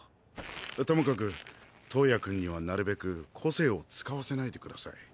ともかく燈矢くんにはなるべく個性を使わせないでください。